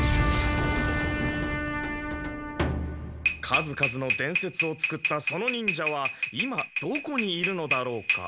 数々の伝説を作ったその忍者は今どこにいるのだろうか。